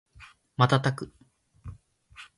瞬く